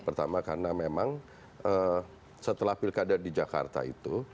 pertama karena memang setelah pilkada di jakarta itu